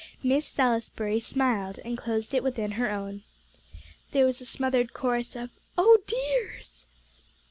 Miss Salisbury smiled, and closed it within her own. There was a smothered chorus of "Oh dears!"